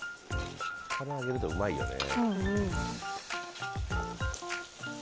揚げるとうまいよね。